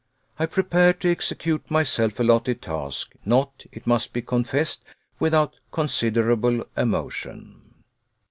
I prepared to execute my self allotted task not, it must be confessed, without considerable emotion.